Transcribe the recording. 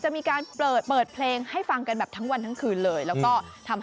จากวันละ๑๘๐๒๑๐ฟองหลังจากที่เปิดเพลงกันตรืมร็อกให้ฟังกันแล้วนะคะ